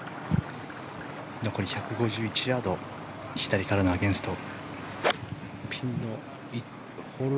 残り１５１ヤード左からのアゲンスト。